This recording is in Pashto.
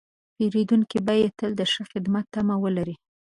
پیرودونکی باید تل د ښه خدمت تمه ولري.